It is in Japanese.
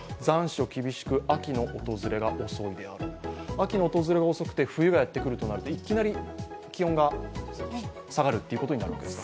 秋の訪れが遅くて冬がやってくるとなるといきなり気温が下がることになりますか？